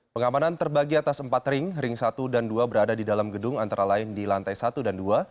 pengamanan terbagi atas empat ring ring satu dan dua berada di dalam gedung antara lain di lantai satu dan dua